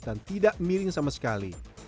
dan tidak miring sama sekali